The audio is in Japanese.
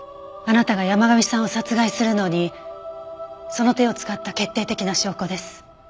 あなたが山神さんを殺害するのにその手を使った決定的な証拠です。